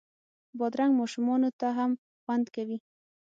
بادرنګ ماشومانو ته هم خوند کوي.